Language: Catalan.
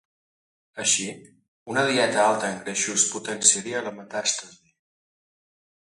Així, una dieta alta en greixos potenciaria la metàstasi.